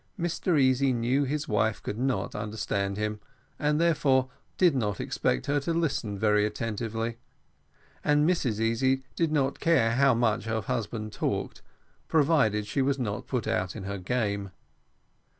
Mr Easy knew his wife could not understand him, and therefore did not expect her to listen very attentively; and Mrs Easy did not care how much her husband talked, provided she was not put out in her game.